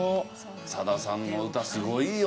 さださんの歌すごいよね。